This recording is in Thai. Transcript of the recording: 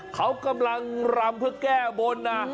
เขากำลังรำเพื่อกล้าบอลอ่อ